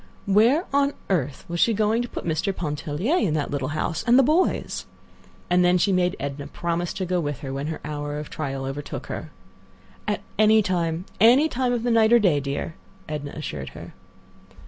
Where on earth was she going to put Mr. Pontellier in that little house, and the boys? And then she made Edna promise to go to her when her hour of trial overtook her. "At any time—any time of the day or night, dear," Edna assured her.